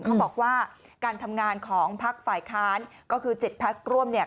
เขาบอกว่าการทำงานของพักฝ่ายค้านก็คือ๗พักร่วมเนี่ย